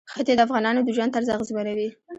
ښتې د افغانانو د ژوند طرز اغېزمنوي.